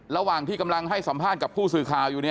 ระหว่างที่กำลังให้สัมภาษณ์กับผู้สื่อข่าวอยู่เนี่ย